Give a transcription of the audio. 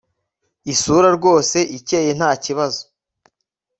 isura rwose ikeye ntakibazo